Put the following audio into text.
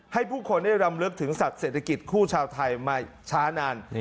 ให้ผู้คนได้รำลึกถึงสัตว์เศรษฐกิจคู่ชาวไทยมาช้านาน